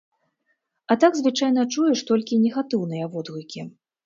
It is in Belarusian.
А так звычайна чуеш толькі негатыўныя водгукі.